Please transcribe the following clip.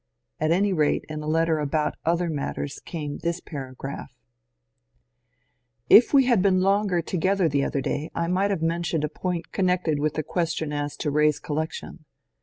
At any rate, in a letter about other matters came this paragraph :— If we had been longer together the other day, I might have mentioned a point connected with the question as to Rae's collection.